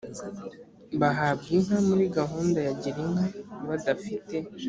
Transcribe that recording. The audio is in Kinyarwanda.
bahabwa inka muri gahunda ya girinka badafite